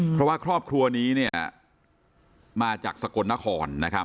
เพราะว่าครอบครัวนี้มาจากสกลนคร